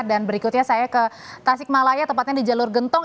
dan berikutnya saya ke tasik malaya tepatnya di jalur gentong